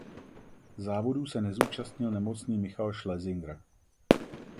Závodů se nezúčastnil nemocný Michal Šlesingr.